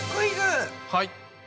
はい。